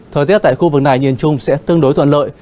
thời tiết tại khu vực này nhìn chung sẽ tương đối thuận lợi